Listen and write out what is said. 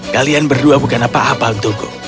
kalian berdua bukan apa apa untukku